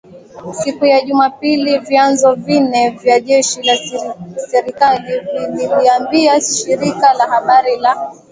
siku ya Jumapili vyanzo vine vya jeshi la serikali vililiambia shirika la habari la